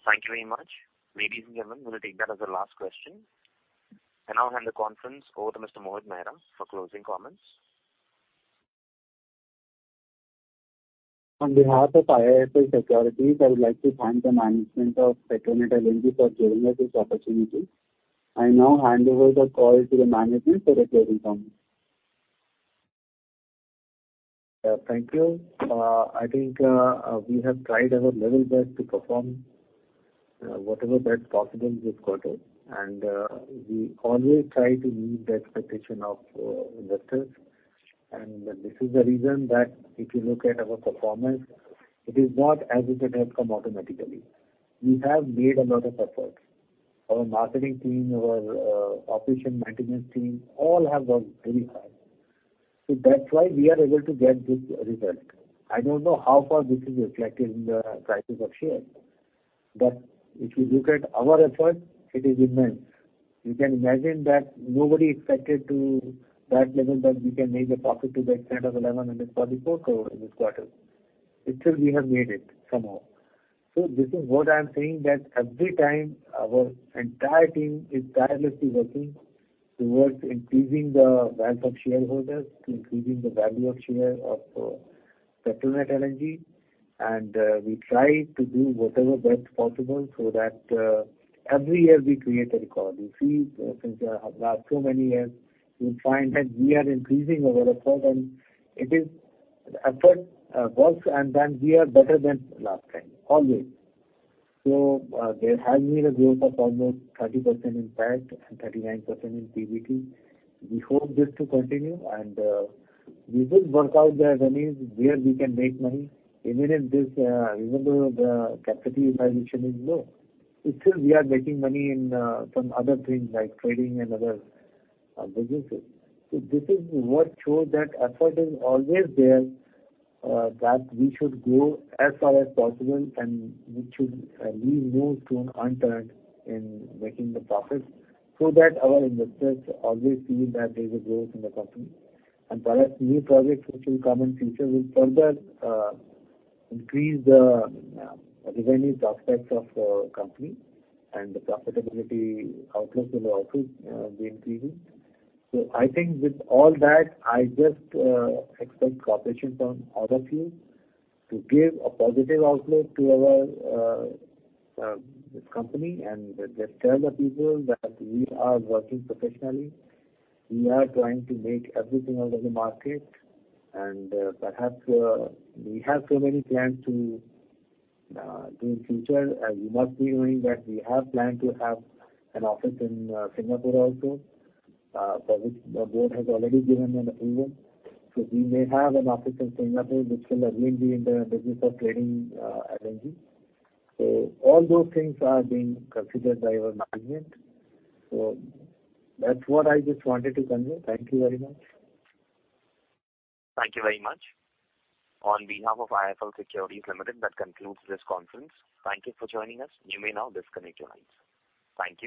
Thank you very much. Ladies and gentlemen, we will take that as the last question. I now hand the conference over to Mr. Mohit Mehra for closing comments. On behalf of IIFL Securities, I would like to thank the management of Petronet LNG for giving us this opportunity. I now hand over the call to the management for the closing comments. Thank you. I think we have tried our level best to perform whatever best possible this quarter. We always try to meet the expectation of investors. This is the reason that if you look at our performance, it is not as if it has come automatically. We have made a lot of efforts. Our marketing team, our operation management team, all have worked very hard. So that's why we are able to get this result. I don't know how far this is reflected in the prices of shares, but if you look at our efforts, it is immense. You can imagine that nobody expected to that level, that we can make a profit to the extent of 1,144 crore this quarter. It is, we have made it, somehow. So this is what I am saying, that every time our entire team is tirelessly working towards increasing the wealth of shareholders, to increasing the value of share of Petronet LNG. And we try to do whatever best possible so that every year we create a record. You see, since last so many years, you'll find that we are increasing our effort, and it is effort works, and then we are better than last time, always. So there has been a growth of almost 30% in PAT and 39% in PBT. We hope this to continue, and we will work out the avenues where we can make money, even if this even though the capacity utilization is low. Still, we are getting money in from other things like trading and other businesses. So this is what shows that effort is always there, that we should go as far as possible, and we should leave no stone unturned in making the profits, so that our investors always feel that there is a growth in the company. Perhaps new projects, which will come in future, will further increase the revenue prospects of our company, and the profitability outlook will also be increasing. So I think with all that, I just expect cooperation from all of you to give a positive outlook to our this company, and just tell the people that we are working professionally. We are trying to make everything out of the market. Perhaps we have so many plans to do in future. You must be knowing that we have planned to have an office in Singapore also, for which the board has already given an approval. So we may have an office in Singapore, which will again be in the business of trading LNG. So all those things are being considered by our management. So that's what I just wanted to convey. Thank you very much. Thank you very much. On behalf of IIFL Securities Limited, that concludes this conference. Thank you for joining us. You may now disconnect your lines. Thank you.